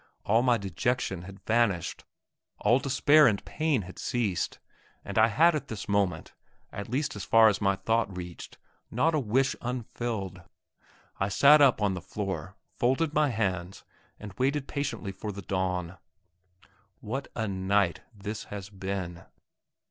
All my dejection had vanished; all despair and pain had ceased, and I had at this moment, at least as far as my thought reached, not a wish unfilled. I sat up on the floor, folded my hands, and waited patiently for the dawn. What a night this had been!